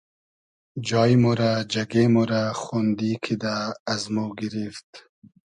جای مۉ رۂ جئگې مۉ رۂ خۉندی کیدۂ از مۉ گیریفت